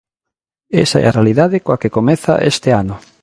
Esa é a realidade coa que comeza este ano.